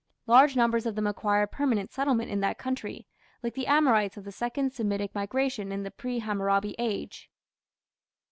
Large numbers of them acquired permanent settlement in that country, like the Amorites of the Second Semitic migration in the pre Hammurabi Age.